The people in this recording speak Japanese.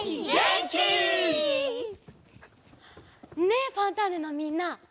ねえ「ファンターネ！」のみんな。